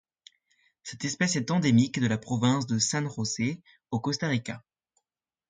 Cette espèce est endémique de la province de San José au Costa Rica.